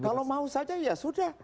kalau mau saja ya sudah